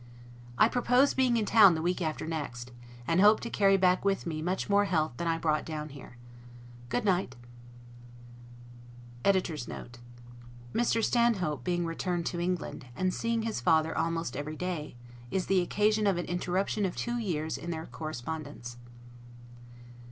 I propose being in town the week after next, and hope to carry back with me much more health than I brought down here. Good night. [Mr. Stanhope being returned to England, and seeing his father almost every day, is the occasion of an interruption of two years in their correspondence.